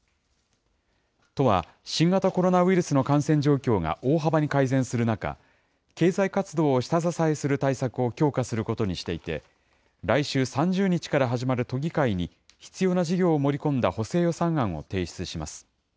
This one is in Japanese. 都は、新型コロナウイルスの感染状況が大幅に改善する中、経済活動を下支えする対策を強化することにしていて、来週３０日から始まる都議会に、必要な事業を盛り込んだ補正予算案を提出します。